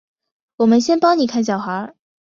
我们先帮妳看小孩